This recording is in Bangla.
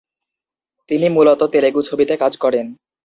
তিনি মূলত তেলুগু ছবিতে কাজ করেন।